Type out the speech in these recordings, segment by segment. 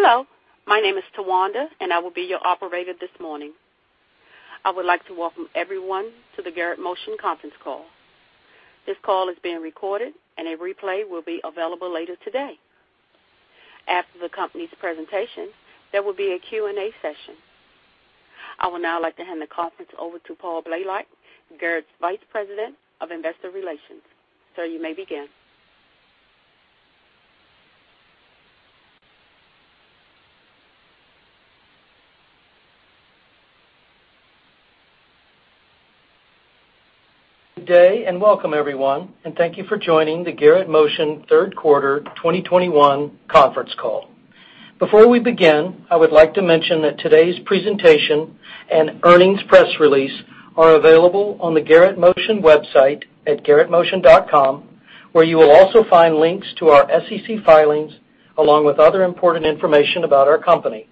Hello, my name is Tawanda, and I will be your operator this morning. I would like to welcome everyone to the Garrett Motion conference call. This call is being recorded, and a replay will be available later today. After the company's presentation, there will be a Q&A session. I would now like to hand the conference over to Paul Blalock, Garrett's Vice President of Investor Relations. Sir, you may begin. Good day, and welcome everyone, and thank you for joining the Garrett Motion third quarter 2021 conference call. Before we begin, I would like to mention that today's presentation and earnings press release are available on the Garrett Motion website at garrettmotion.com, where you will also find links to our SEC filings, along with other important information about our company.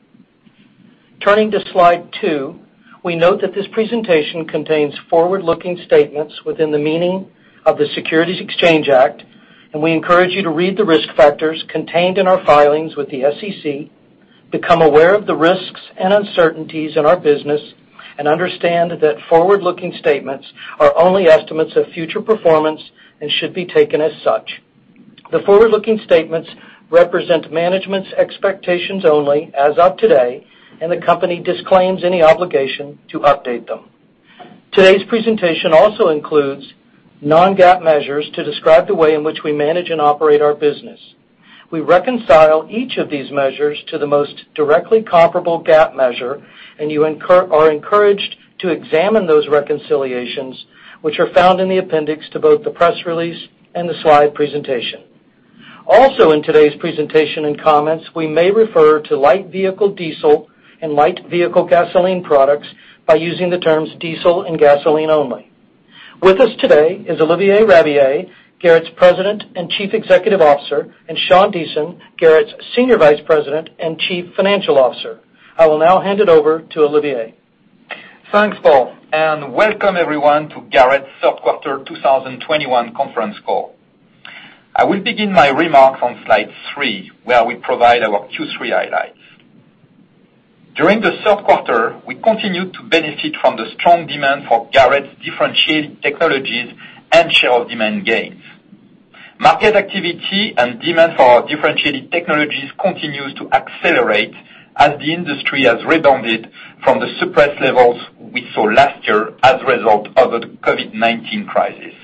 Turning to Slide 2, we note that this presentation contains forward-looking statements within the meaning of the Securities Exchange Act, and we encourage you to read the risk factors contained in our filings with the SEC, become aware of the risks and uncertainties in our business, and understand that forward-looking statements are only estimates of future performance and should be taken as such. The forward-looking statements represent management's expectations only as of today, and the company disclaims any obligation to update them. Today's presentation also includes non-GAAP measures to describe the way in which we manage and operate our business. We reconcile each of these measures to the most directly comparable GAAP measure, and you are encouraged to examine those reconciliations, which are found in the appendix to both the press release and the slide presentation. Also, in today's presentation and comments, we may refer to light vehicle diesel and light vehicle gasoline products by using the terms diesel and gasoline only. With us today is Olivier Rabiller, Garrett's President and Chief Executive Officer, and Sean Deason, Garrett's Senior Vice President and Chief Financial Officer. I will now hand it over to Olivier. Thanks, Paul, and welcome everyone to Garrett's third quarter 2021 conference call. I will begin my remarks on Slide 3, where we provide our Q3 highlights. During the third quarter, we continued to benefit from the strong demand for Garrett's differentiated technologies and share of demand gains. Market activity and demand for our differentiated technologies continues to accelerate as the industry has rebounded from the suppressed levels we saw last year as a result of the COVID-19 crisis.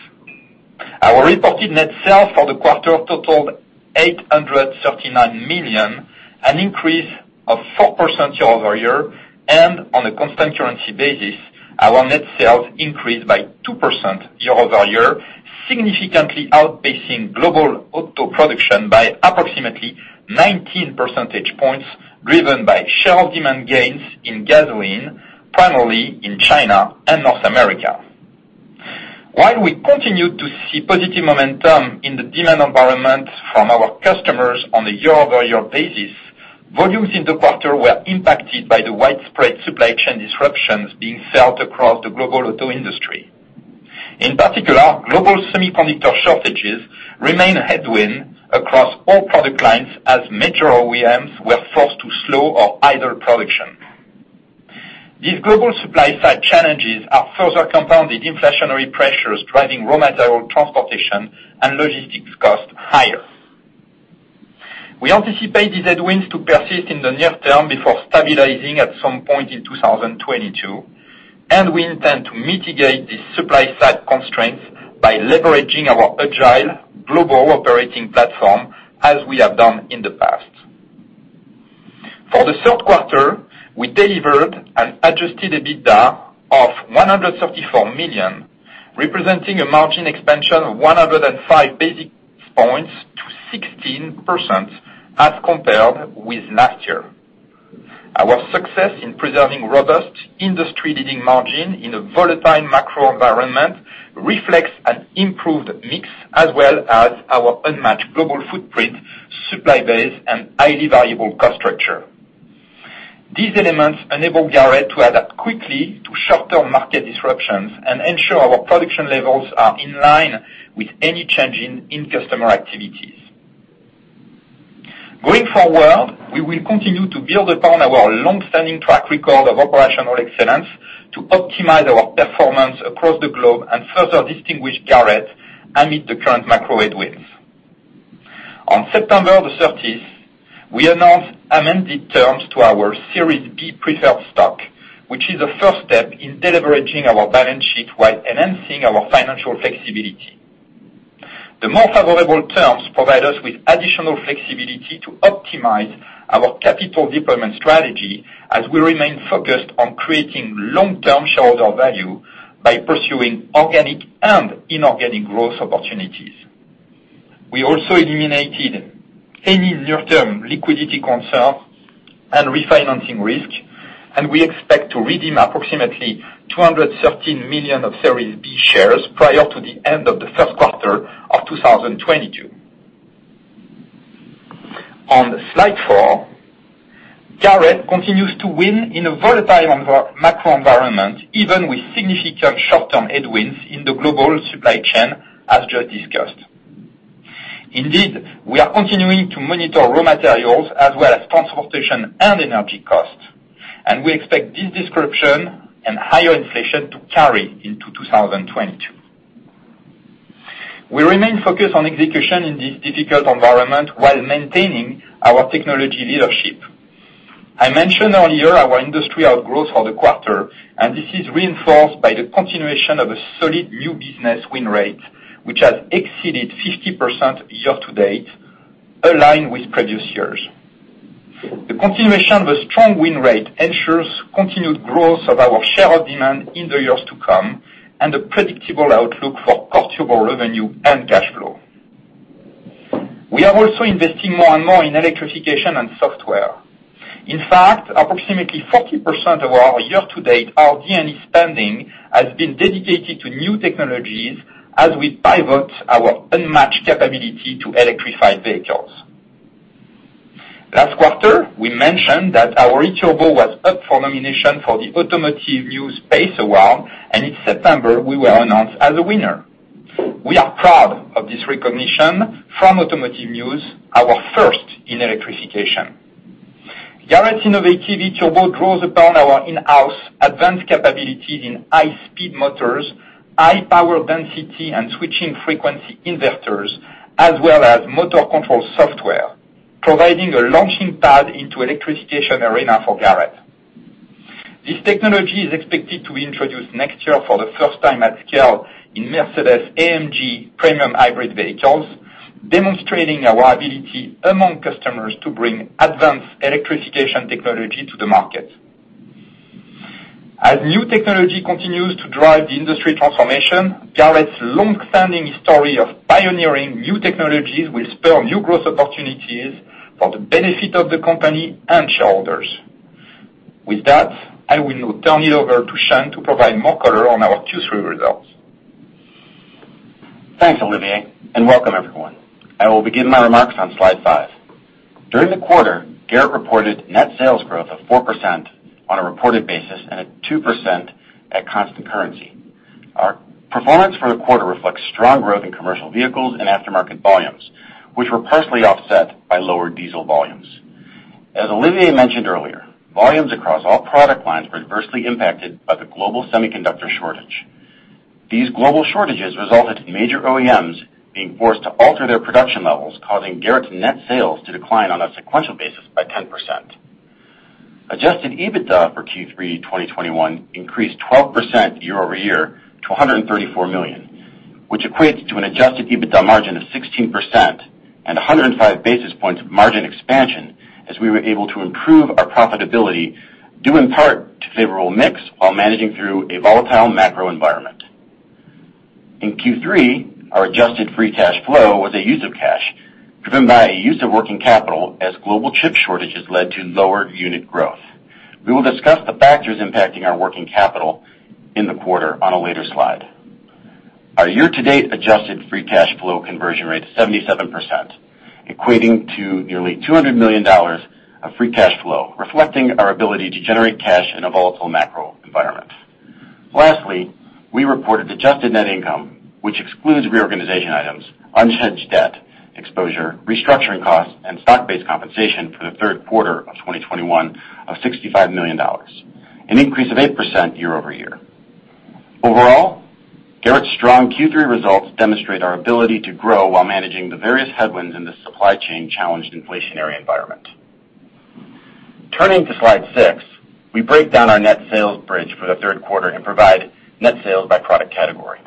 Our reported net sales for the quarter totaled $839 million, an increase of 4% year-over-year. On a constant currency basis, our net sales increased by 2% year-over-year, significantly outpacing global auto production by approximately 19 percentage points, driven by share demand gains in gasoline, primarily in China and North America. While we continued to see positive momentum in the demand environment from our customers on a year-over-year basis, volumes in the quarter were impacted by the widespread supply chain disruptions being felt across the global auto industry. In particular, global semiconductor shortages remain a headwind across all product lines as major OEMs were forced to slow or idle production. These global supply-side challenges are further compounded by inflationary pressures, driving raw material, transportation, and logistics costs higher. We anticipate these headwinds to persist in the near term before stabilizing at some point in 2022, and we intend to mitigate these supply-side constraints by leveraging our agile global operating platform as we have done in the past. For the third quarter, we delivered an Adjusted EBITDA of $134 million, representing a margin expansion of 105 basis points to 16% as compared with last year. Our success in preserving robust industry-leading margin in a volatile macro environment reflects an improved mix, as well as our unmatched global footprint, supply base, and highly valuable cost structure. These elements enable Garrett to adapt quickly to short-term market disruptions and ensure our production levels are in line with any changes in customer activities. Going forward, we will continue to build upon our long-standing track record of operational excellence to optimize our performance across the globe and further distinguish Garrett amid the current macro headwinds. On September 30, we announced amended terms to our Series B preferred stock, which is the first step in deleveraging our balance sheet while enhancing our financial flexibility. The more favorable terms provide us with additional flexibility to optimize our capital deployment strategy as we remain focused on creating long-term shareholder value by pursuing organic and inorganic growth opportunities. We also eliminated any near-term liquidity concern and refinancing risk, and we expect to redeem approximately $213 million of Series B shares prior to the end of the first quarter of 2022. On Slide 4, Garrett continues to win in a volatile environment, macro environment, even with significant short-term headwinds in the global supply chain as just discussed. Indeed, we are continuing to monitor raw materials as well as transportation and energy costs, and we expect this disruption and higher inflation to carry into 2022. We remain focused on execution in this difficult environment while maintaining our technology leadership. I mentioned earlier our industry outgrowth for the quarter, and this is reinforced by the continuation of a solid new business win rate, which has exceeded 50% year to date, aligned with previous years. The continuation of a strong win rate ensures continued growth of our share of demand in the years to come, and a predictable outlook for profitable revenue and cash flow. We are also investing more and more in electrification and software. In fact, approximately 40% of our year-to-date RD&E spending has been dedicated to new technologies as we pivot our unmatched capability to electrify vehicles. Last quarter, we mentioned that our E-Turbo was up for nomination for the Automotive News PACE Award, and in September, we were announced as a winner. We are proud of this recognition from Automotive News, our first in electrification. Garrett's innovative E-Turbo draws upon our in-house advanced capabilities in high speed motors, high power density and switching frequency inverters, as well as motor control software, providing a launching pad into electrification arena for Garrett. This technology is expected to be introduced next year for the first time at scale in Mercedes-AMG premium hybrid vehicles, demonstrating our ability among customers to bring advanced electrification technology to the market. As new technology continues to drive the industry transformation, Garrett's long-standing history of pioneering new technologies will spur new growth opportunities for the benefit of the company and shareholders. With that, I will now turn it over to Sean to provide more color on our Q3 results. Thanks, Olivier, and welcome everyone. I will begin my remarks on Slide 5. During the quarter, Garrett reported net sales growth of 4% on a reported basis and at 2% at constant currency. Our performance for the quarter reflects strong growth in commercial vehicles and aftermarket volumes, which were partially offset by lower diesel volumes. As Olivier mentioned earlier, volumes across all product lines were adversely impacted by the global semiconductor shortage. These global shortages resulted in major OEMs being forced to alter their production levels, causing Garrett net sales to decline on a sequential basis by 10%. Adjusted EBITDA for Q3 2021 increased 12% year-over-year to $134 million, which equates to an Adjusted EBITDA margin of 16% and 105 basis points of margin expansion as we were able to improve our profitability due in part to favorable mix while managing through a volatile macro environment. In Q3, our adjusted free cash flow was a use of cash driven by a use of working capital as global chip shortages led to lower unit growth. We will discuss the factors impacting our working capital in the quarter on a later slide. Our year-to-date adjusted free cash flow conversion rate is 77%, equating to nearly $200 million of free cash flow, reflecting our ability to generate cash in a volatile macro environment. Lastly, we reported adjusted net income, which excludes reorganization items, unhedged debt exposure, restructuring costs, and stock-based compensation for the third quarter of 2021 of $65 million, an increase of 8% year-over-year. Overall, Garrett's strong Q3 results demonstrate our ability to grow while managing the various headwinds in this supply chain challenged inflationary environment. Turning to Slide 6, we break down our net sales bridge for the third quarter and provide net sales by product category.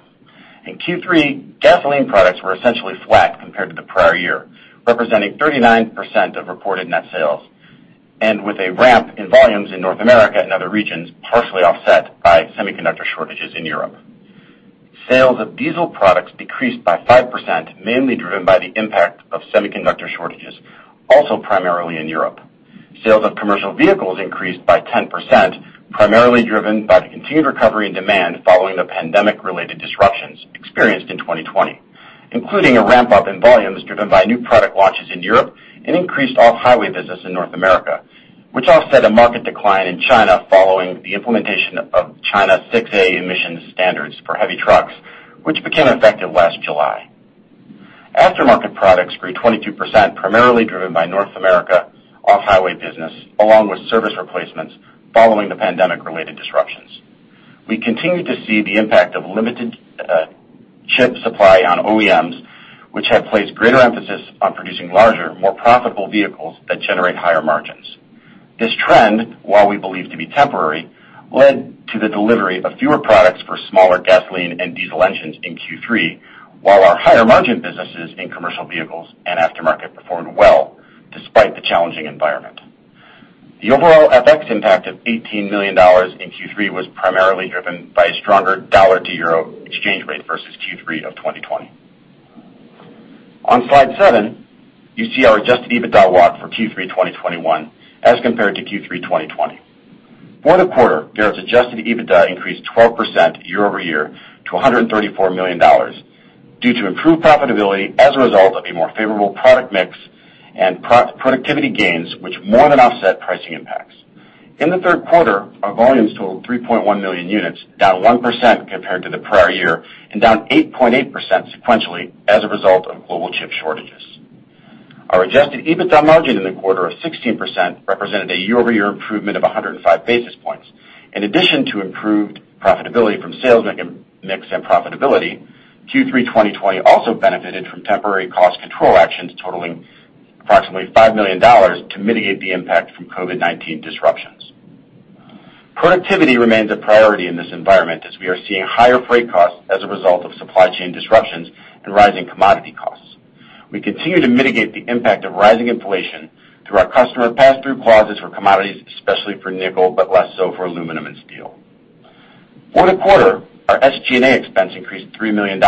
In Q3, gasoline products were essentially flat compared to the prior year, representing 39% of reported net sales, and with a ramp in volumes in North America and other regions, partially offset by semiconductor shortages in Europe. Sales of diesel products decreased by 5%, mainly driven by the impact of semiconductor shortages, also primarily in Europe. Sales of commercial vehicles increased by 10%, primarily driven by the continued recovery and demand following the pandemic-related disruptions experienced in 2020, including a ramp up in volumes driven by new product launches in Europe and increased off-highway business in North America, which offset a market decline in China following the implementation of China VI-a emissions standards for heavy trucks, which became effective last July. Aftermarket products grew 22%, primarily driven by North America off-highway business, along with service replacements following the pandemic-related disruptions. We continue to see the impact of limited chip supply on OEMs, which have placed greater emphasis on producing larger, more profitable vehicles that generate higher margins. This trend, while we believe to be temporary, led to the delivery of fewer products for smaller gasoline and diesel engines in Q3, while our higher margin businesses in commercial vehicles and aftermarket performed well despite the challenging environment. The overall FX impact of $18 million in Q3 was primarily driven by a stronger dollar to euro exchange rate versus Q3 of 2020. On Slide 7, you see our Adjusted EBITDA walk for Q3 2021 as compared to Q3 2020. For the quarter, Garrett's Adjusted EBITDA increased 12% year-over-year to $134 million due to improved profitability as a result of a more favorable product mix and productivity gains, which more than offset pricing impacts. In the third quarter, our volumes totaled 3.1 million units, down 1% compared to the prior year and down 8.8% sequentially as a result of global chip shortages. Our Adjusted EBITDA margin in the quarter of 16% represented a year-over-year improvement of 105 basis points. In addition to improved profitability from sales mix and productivity, Q3 2020 also benefited from temporary cost control actions totaling approximately $5 million to mitigate the impact from COVID-19 disruptions. Productivity remains a priority in this environment as we are seeing higher freight costs as a result of supply chain disruptions and rising commodity costs. We continue to mitigate the impact of rising inflation through our customer pass-through clauses for commodities, especially for nickel, but less so for aluminum and steel. For the quarter, our SG&A expense increased $3 million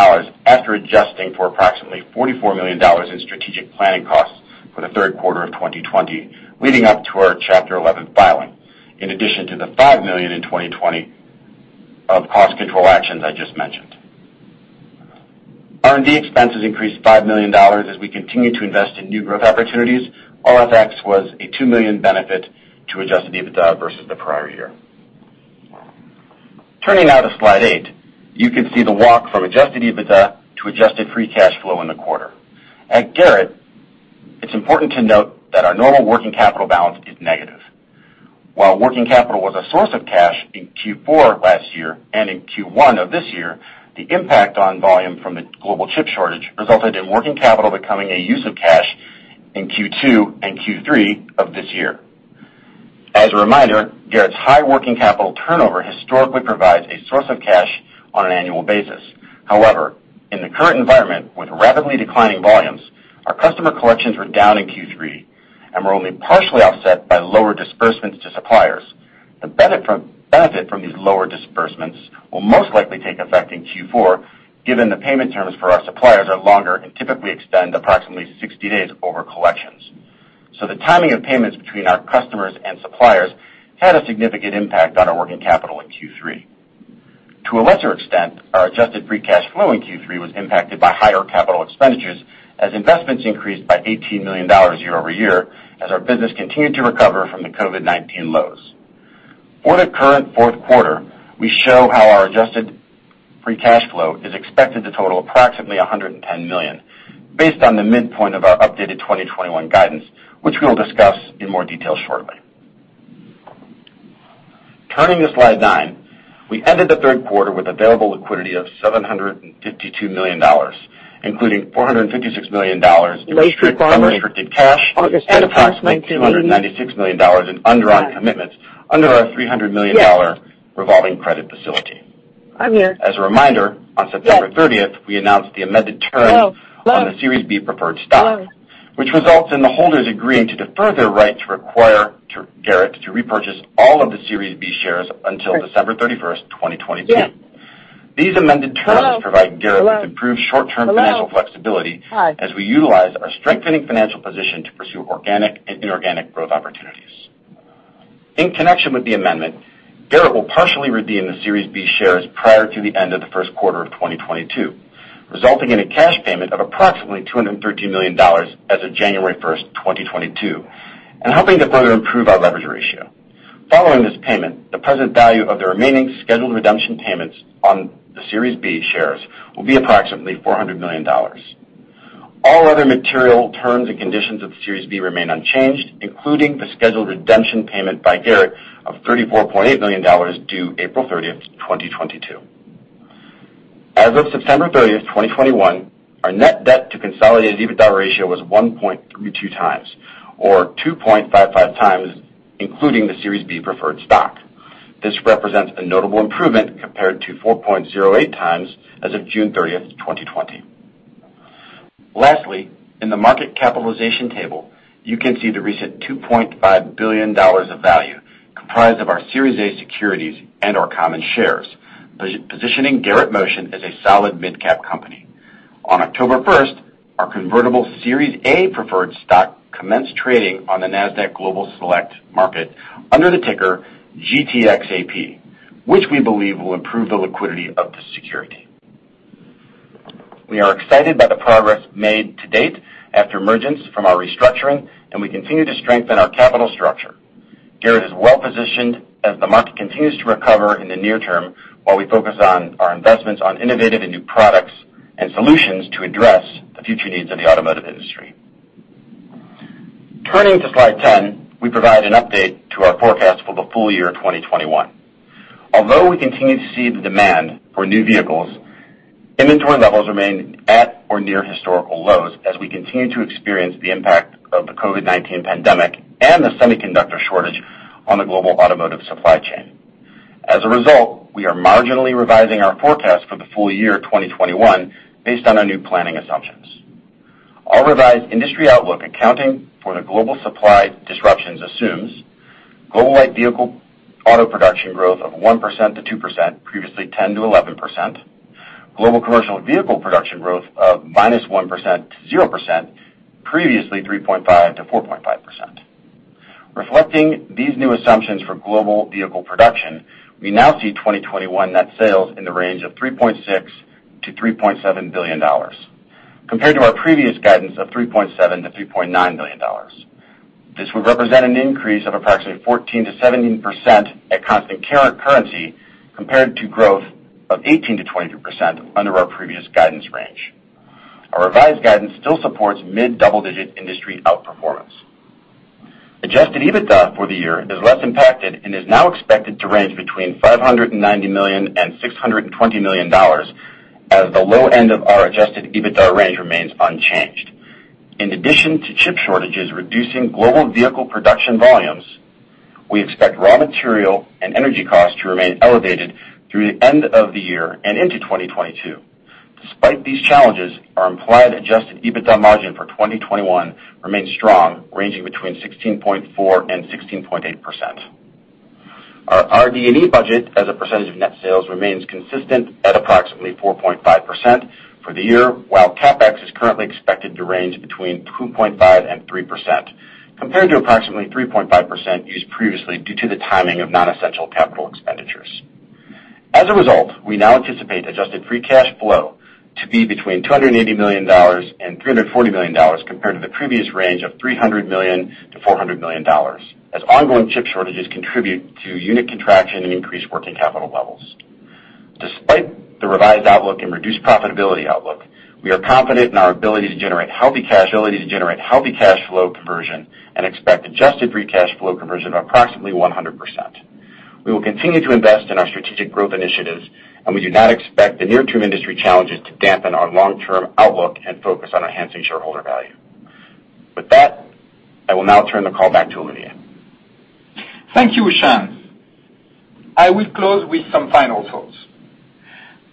after adjusting for approximately $44 million in strategic planning costs for the third quarter of 2020, leading up to our Chapter 11 filing, in addition to the $5 million in 2020 of cost control actions I just mentioned. R&D expenses increased $5 million as we continue to invest in new growth opportunities. FX was a $2 million benefit to Adjusted EBITDA versus the prior year. Turning now to Slide 8, you can see the walk from Adjusted EBITDA to adjusted free cash flow in the quarter. At Garrett, it's important to note that our normal working capital balance is negative. While working capital was a source of cash in Q4 last year and in Q1 of this year, the impact on volume from the global chip shortage resulted in working capital becoming a use of cash in Q2 and Q3 of this year. As a reminder, Garrett's high working capital turnover historically provides a source of cash on an annual basis. However, in the current environment with rapidly declining volumes, our customer collections were down in Q3 and were only partially offset by lower disbursements to suppliers. The benefit from these lower disbursements will most likely take effect in Q4, given the payment terms for our suppliers are longer and typically extend approximately 60 days over collections. The timing of payments between our customers and suppliers had a significant impact on our working capital in Q3. To a lesser extent, our adjusted free cash flow in Q3 was impacted by higher capital expenditures as investments increased by $18 million year-over-year as our business continued to recover from the COVID-19 lows. For the current fourth quarter, we show how our adjusted free cash flow is expected to total approximately $110 million based on the midpoint of our updated 2021 guidance, which we will discuss in more detail shortly. Turning to Slide 9, we ended the third quarter with available liquidity of $752 million, including $456 million of restricted and unrestricted cash and approximately $296 million in undrawn commitments under our $300 million revolving credit facility. As a reminder, on September 30th, we announced the amended terms on the Series B preferred stock, which results in the holders agreeing to defer their right to require Garrett to repurchase all of the Series B shares until December 31st, 2022. These amended terms provide Garrett with improved short-term financial flexibility as we utilize our strengthening financial position to pursue organic and inorganic growth opportunities. In connection with the amendment, Garrett will partially redeem the Series B shares prior to the end of the first quarter of 2022, resulting in a cash payment of approximately $213 million as of January 1st, 2022, and helping to further improve our leverage ratio. Following this payment, the present value of the remaining scheduled redemption payments on the Series B shares will be approximately $400 million. All other material terms and conditions of the Series B remain unchanged, including the scheduled redemption payment by Garrett of $34.8 million due April 30th, 2022. As of September 30th, 2021, our net debt to consolidated EBITDA ratio was 1.32x or 2.55x including the Series B preferred stock. This represents a notable improvement compared to 4.08x as of June 30th, 2020. Lastly, in the market capitalization table, you can see the recent $2.5 billion of value comprised of our Series A securities and our common shares, positioning Garrett Motion as a solid midcap company. On October 1st, our convertible Series A preferred stock commenced trading on the Nasdaq Global Select Market under the ticker GTXAP, which we believe will improve the liquidity of the security. We are excited by the progress made to date after emergence from our restructuring, and we continue to strengthen our capital structure. Garrett is well-positioned as the market continues to recover in the near term while we focus on our investments on innovative and new products and solutions to address the future needs of the automotive industry. Turning to Slide 10, we provide an update to our forecast for the full year 2021. Although we continue to see the demand for new vehicles, inventory levels remain at or near historical lows as we continue to experience the impact of the COVID-19 pandemic and the semiconductor shortage on the global automotive supply chain. As a result, we are marginally revising our forecast for the full year 2021 based on our new planning assumptions. Our revised industry outlook accounting for the global supply disruptions assumes global light vehicle auto production growth of 1%-2%, previously 10%-11%. Global commercial vehicle production growth of -1%-0%, previously 3.5%-4.5%. Reflecting these new assumptions for global vehicle production, we now see 2021 net sales in the range of $3.6 billion-$3.7 billion compared to our previous guidance of $3.7 billion-$3.9 billion. This would represent an increase of approximately 14%-17% at constant currency compared to growth of 18%-22% under our previous guidance range. Our revised guidance still supports mid-double-digit industry outperformance. Adjusted EBITDA for the year is less impacted and is now expected to range between $590 million and $620 million, as the low end of our Adjusted EBITDA range remains unchanged. In addition to chip shortages reducing global vehicle production volumes, we expect raw material and energy costs to remain elevated through the end of the year and into 2022. Despite these challenges, our implied Adjusted EBITDA margin for 2021 remains strong, ranging between 16.4% and 16.8%. Our RD&E budget as a percentage of net sales remains consistent at approximately 4.5% for the year, while CapEx is currently expected to range between 2.5% and 3% compared to approximately 3.5% used previously due to the timing of non-essential capital expenditures. As a result, we now anticipate adjusted free cash flow to be between $280 million and $340 million compared to the previous range of $300 million-$400 million, as ongoing chip shortages contribute to unit contraction and increased working capital levels. Despite the revised outlook and reduced profitability outlook, we are confident in our ability to generate healthy cash flow conversion and expect adjusted free cash flow conversion of approximately 100%. We will continue to invest in our strategic growth initiatives, and we do not expect the near-term industry challenges to dampen our long-term outlook and focus on enhancing shareholder value. With that, I will now turn the call back to Olivier. Thank you, Sean. I will close with some final thoughts.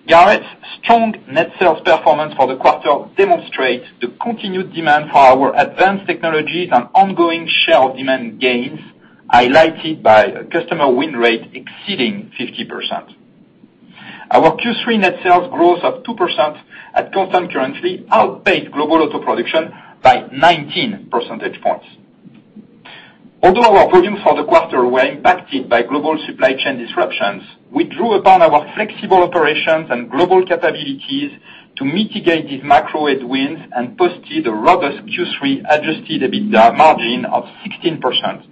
Garrett's strong net sales performance for the quarter demonstrates the continued demand for our advanced technologies and ongoing share demand gains, highlighted by a customer win rate exceeding 50%. Our Q3 net sales growth of 2% at constant currency outpaced global auto production by 19 percentage points. Although our volumes for the quarter were impacted by global supply chain disruptions, we drew upon our flexible operations and global capabilities to mitigate these macro headwinds and posted a robust Q3 Adjusted EBITDA margin of 16%,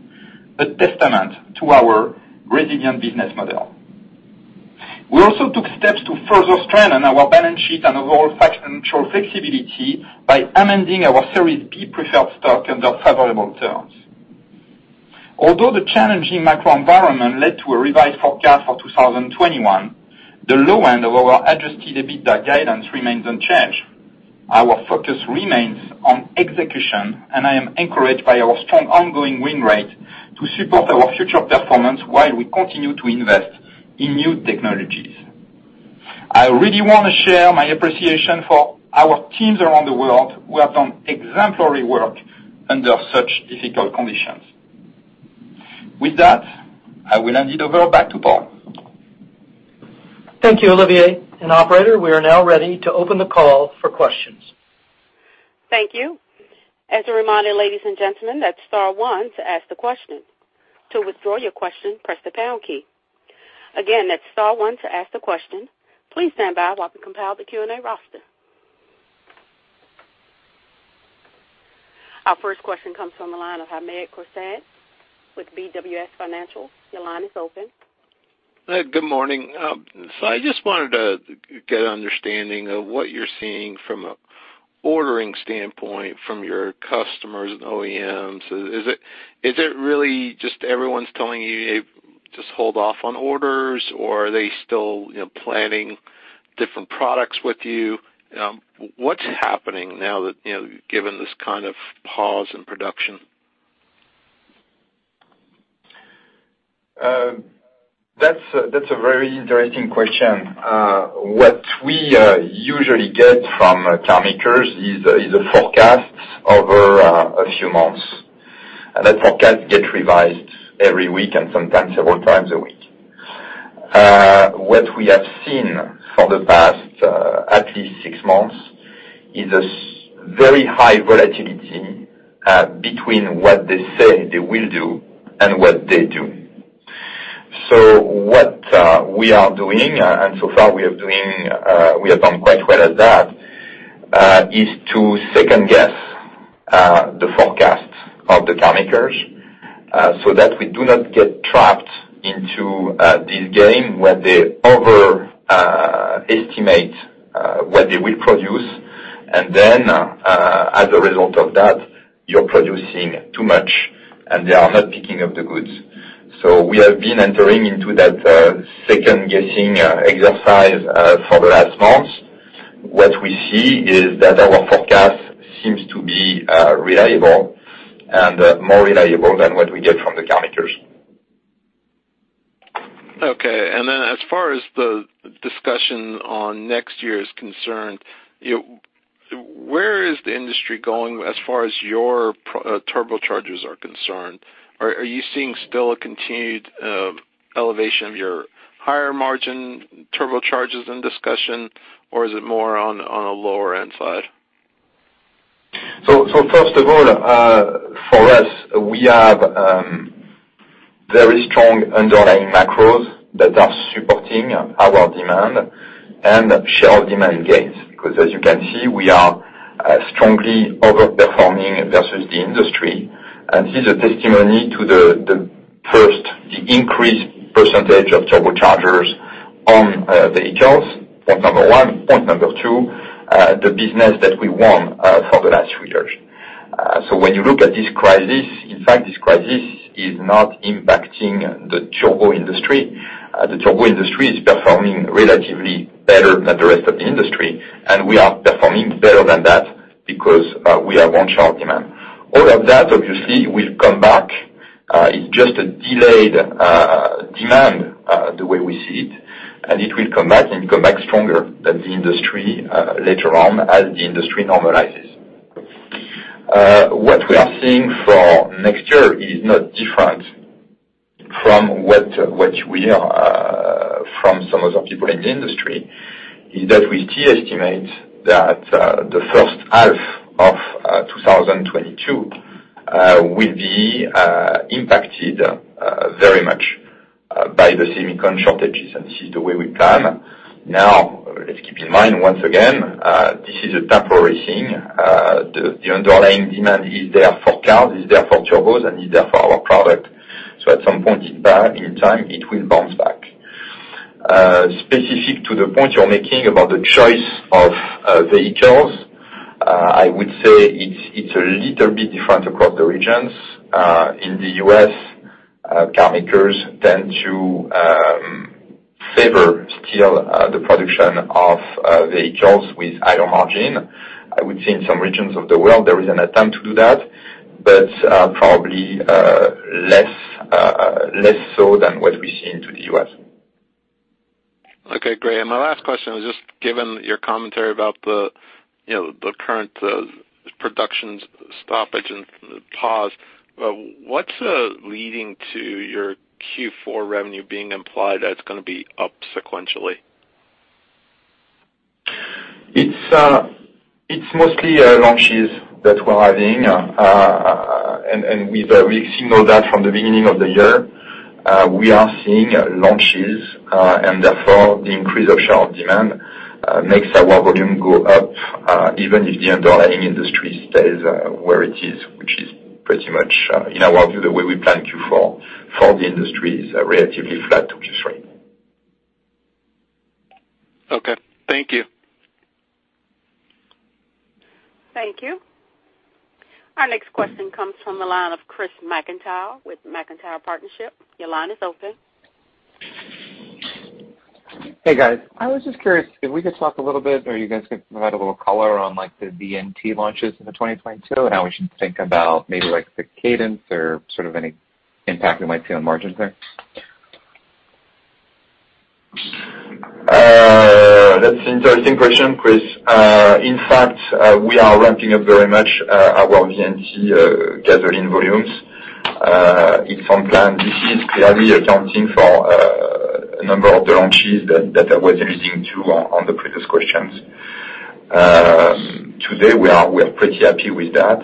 a testament to our resilient business model. We also took steps to further strengthen our balance sheet and overall financial flexibility by amending our Series B preferred stock under favorable terms. Although the challenging macro environment led to a revised forecast for 2021, the low end of our Adjusted EBITDA guidance remains unchanged. Our focus remains on execution, and I am encouraged by our strong ongoing win rate to support our future performance while we continue to invest in new technologies. I really want to share my appreciation for our teams around the world who have done exemplary work under such difficult conditions. With that, I will hand it over back to Paul. Thank you, Olivier. Operator, we are now ready to open the call for questions. Thank you. As a reminder, ladies and gentlemen, that's star one to ask the question. To withdraw your question, press the pound key. Again, that's star one to ask the question. Please stand by while we compile the Q&A roster. Our first question comes from the line of Hamed Khorsand with BWS Financial. Your line is open. Good morning. I just wanted to get an understanding of what you're seeing from an ordering standpoint from your customers and OEMs. Is it really just everyone's telling you, just hold off on orders, or are they still, you know, planning different products with you? What's happening now that, you know, given this kind of pause in production? That's a very interesting question. What we usually get from carmakers is a forecast over a few months. That forecast gets revised every week and sometimes several times a week. What we have seen for the past at least six months is very high volatility between what they say they will do and what they do. What we are doing, and so far we have done quite well at that, is to second-guess the forecasts of the carmakers so that we do not get trapped into this game where they overestimate what they will produce, and then, as a result of that, you're producing too much, and they are not picking up the goods. We have been entering into that second-guessing exercise for the last months. What we see is that our forecast seems to be reliable and more reliable than what we get from the carmakers. Okay. Then as far as the discussion on next year is concerned, where is the industry going as far as your turbochargers are concerned? Are you seeing still a continued elevation of your higher margin turbochargers in discussion or is it more on a lower end side? First of all, for us, we have very strong underlying macros that are supporting our demand and share demand gains because as you can see, we are strongly overperforming versus the industry. This is a testimony to the increased percentage of turbochargers on the accounts, point number one. Point number two, the business that we won for the last three years. When you look at this crisis, in fact, this crisis is not impacting the turbo industry. The turbo industry is performing relatively better than the rest of the industry, and we are performing better than that because we have won share demand. All of that obviously will come back. It's just a delayed demand, the way we see it, and it will come back stronger than the industry later on as the industry normalizes. What we are seeing for next year is not different from what we hear from some other people in the industry is that we still estimate that the first half of 2022 will be impacted very much by the semiconductor shortages. This is the way we plan. Now, let's keep in mind, once again, this is a temporary thing. The underlying demand is there for cars, is there for turbos, and is there for our product. At some point in time, it will bounce back. Specific to the point you're making about the choice of vehicles, I would say it's a little bit different across the regions. In the U.S., carmakers tend to favor still the production of vehicles with higher margin. I would say in some regions of the world, there is an attempt to do that, but probably less so than what we see in the U.S. Okay, great. My last question is just given your commentary about, you know, the current production stoppage and pause, what's leading to your Q4 revenue being implied that it's gonna be up sequentially? It's mostly launches that we're having. We've signaled that from the beginning of the year. We are seeing launches, and therefore the increase of share of demand makes our volume go up, even if the underlying industry stays where it is, which is pretty much, in our view, the way we plan Q4 for the industry is relatively flat to Q3. Okay. Thank you. Thank you. Our next question comes from the line of Chris McIntyre with McIntyre Partnerships. Your line is open. Hey, guys. I was just curious if we could talk a little bit or you guys could provide a little color on like the VNT launches into 2022 and how we should think about maybe like the cadence or sort of any impact we might see on margins there. That's an interesting question, Chris. In fact, we are ramping up very much our VNT gasoline volumes. It's on plan. This is clearly accounting for a number of the launches that I was alluding to on the previous questions. Today we are pretty happy with that.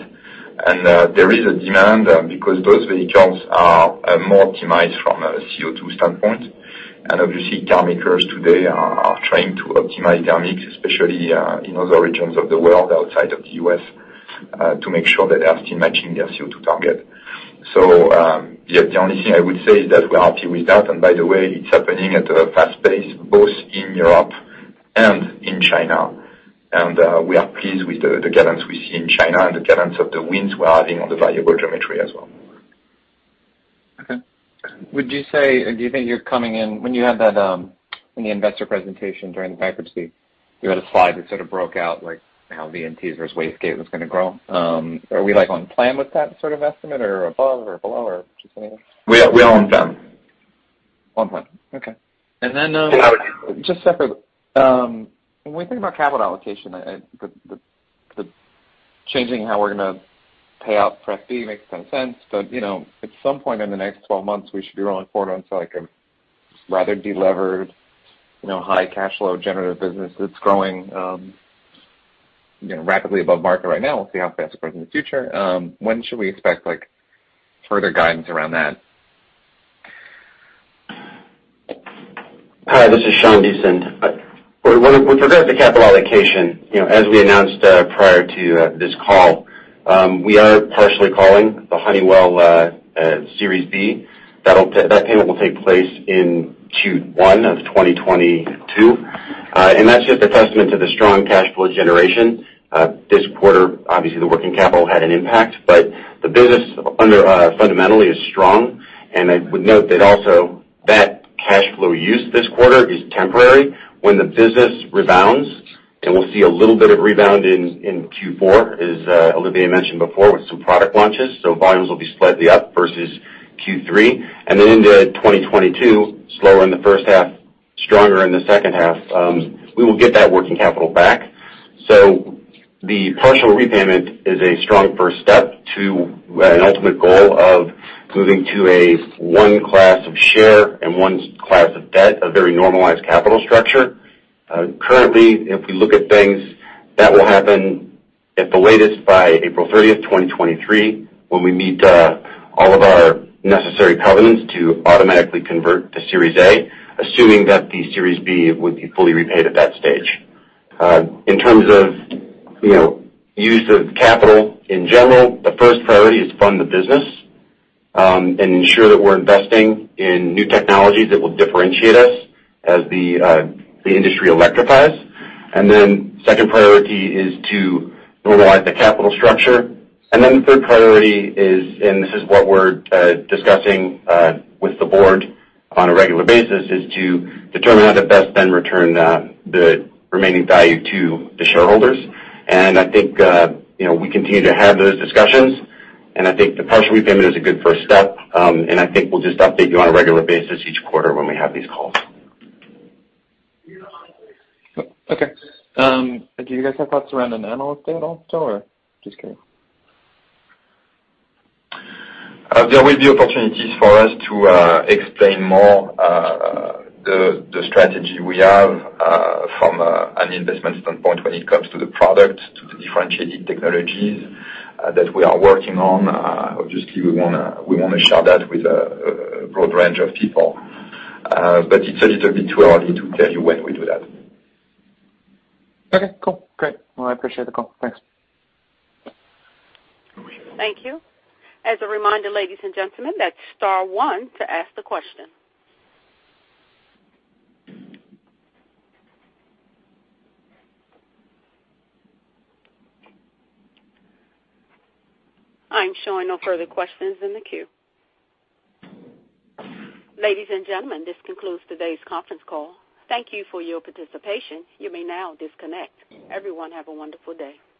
There is a demand because those vehicles are more optimized from a CO2 standpoint. Obviously, carmakers today are trying to optimize their mix, especially in other regions of the world outside of the U.S., to make sure that they are still matching their CO2 target. The only thing I would say is that we are happy with that. By the way, it's happening at a fast pace, both in Europe and in China. We are pleased with the cadence we see in China and the cadence of the wins we're having on the variable geometry as well. Okay. Would you say, when you had that, in the investor presentation during the Baird week, you had a slide that sort of broke out like how VNTs versus wastegate was gonna grow. Are we like on plan with that sort of estimate or above or below or just anyway? We are on plan. On plan. Okay. Just separately, when we think about capital allocation, the changing how we're gonna pay out pref B makes a ton of sense. You know, at some point in the next 12 months, we should be rolling forward onto like a rather delevered, you know, high cash flow generative business that's growing, you know, rapidly above market right now. We'll see how fast it grows in the future. When should we expect, like, further guidance around that? Hi, this is Sean Deason. With regard to capital allocation, you know, as we announced, prior to this call, we are partially calling the Honeywell Series B. That payment will take place in Q1 of 2022. That's just a testament to the strong cash flow generation. This quarter, obviously, the working capital had an impact, but the business fundamentally is strong. I would note that also that cash flow use this quarter is temporary when the business rebounds, and we'll see a little bit of rebound in Q4, as Olivier mentioned before, with some product launches. Volumes will be slightly up versus Q3. Then into 2022, slower in the first half, stronger in the second half, we will get that working capital back. The partial repayment is a strong first step to an ultimate goal of moving to a one class of share and one class of debt, a very normalized capital structure. Currently, if we look at things that will happen at the latest by April 30th, 2023, when we meet all of our necessary covenants to automatically convert to Series A, assuming that the Series B would be fully repaid at that stage. In terms of, you know, use of capital in general, the first priority is to fund the business, and ensure that we're investing in new technologies that will differentiate us as the the industry electrifies. Then second priority is to normalize the capital structure. Then the third priority is, and this is what we're discussing with the board on a regular basis, is to determine how to best then return the remaining value to the shareholders. I think you know, we continue to have those discussions, and I think the partial repayment is a good first step. I think we'll just update you on a regular basis each quarter when we have these calls. Okay. Do you guys have thoughts around an analyst day at all, or just curious? There will be opportunities for us to explain more the strategy we have from an investment standpoint when it comes to the product, to the differentiated technologies that we are working on. Obviously, we wanna share that with a broad range of people, but it's a little bit too early to tell you when we do that. Okay. Cool. Great. Well, I appreciate the call. Thanks. Thank you. As a reminder, ladies and gentlemen, that's star one to ask the question. I'm showing no further questions in the queue. Ladies and gentlemen, this concludes today's conference call. Thank you for your participation. You may now disconnect. Everyone, have a wonderful day.